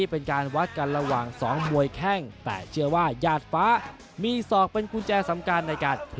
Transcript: ผมคิดว่ายาดฟ้ามีศอกและเตะเยอะนะครับ